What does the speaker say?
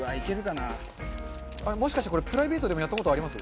中丸：もしかして、これプライベートでもやった事あります？